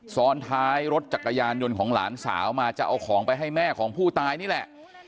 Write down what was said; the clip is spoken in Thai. ซ้อนท้ายรถจักรยานยนต์ของหลานสาวมาจะเอาของไปให้แม่ของผู้ตายนี่แหละ